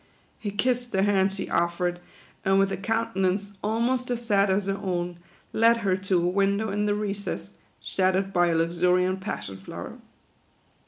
He kissed the hand she offered, and with a countenance almost as sad as her own, led her to a window in the recess, shadowed by a luxuriant Passion Flower.